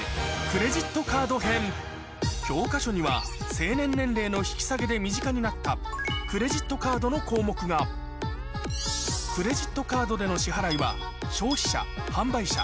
教科書には成年年齢の引き下げで身近になったクレジットカードの項目がクレジットカードでの支払いは消費者販売者